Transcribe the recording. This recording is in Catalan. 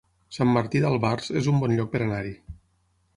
Sant Martí d'Albars es un bon lloc per anar-hi